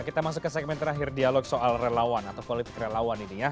kita masuk ke segmen terakhir dialog soal relawan atau politik relawan ini ya